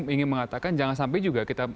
ingin mengatakan jangan sampai juga kita